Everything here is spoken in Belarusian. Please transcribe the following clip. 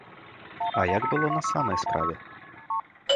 А як было на самай справе?